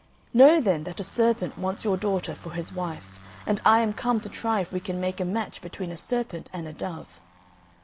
"Know then that a serpent wants your daughter for his wife, and I am come to try if we can make a match between a serpent and a dove!"